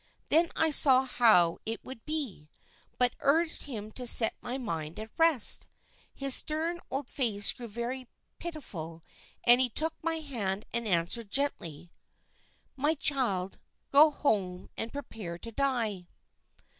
Then I saw how it would be, but urged him to set my mind at rest. His stern old face grew very pitiful as he took my hand and answered gently 'My child, go home and prepare to die.'"